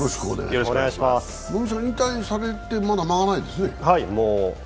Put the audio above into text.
能見さん引退されてまだ間もないですね。